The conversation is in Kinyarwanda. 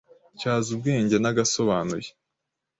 Tyaza Ubwenge n’agasobanuye,